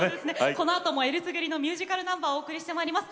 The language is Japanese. このあともえりすぐりのミュージカルナンバーをお送りしてまいります。